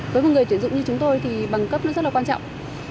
với một người chuyển dụng như chúng tôi thì bằng cấp rất là quan trọng